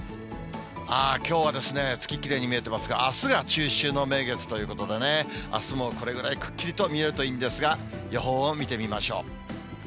きょうは月きれいに見えてますが、あすが中秋の名月ということでね、あすもこれぐらいくっきりと見えるといいんですが、予報を見てみましょう。